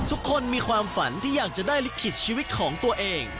ทุกคนมีความฝันที่อยากจะได้ลิขิตชีวิตของตัวเอง